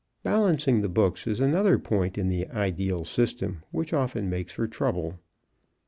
Balancing the books is another point in the ideal system which often makes for trouble.